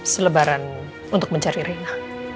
selebaran untuk mencari reina